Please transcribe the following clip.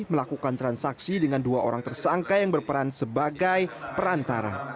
melakukan transaksi dengan dua orang tersangka yang berperan sebagai perantara